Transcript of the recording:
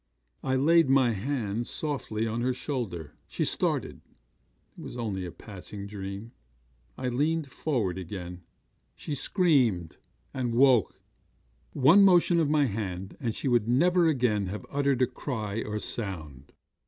I laid my hand softly on her shoulder. She started it was only a passing dream. I leaned forward again. She screamed, and woke. 'One motion of my hand, and she would never again have uttered cry or sound.